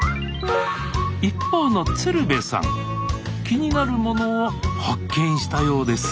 一方の鶴瓶さん気になるものを発見したようです